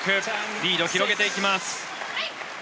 リードを広げていきます。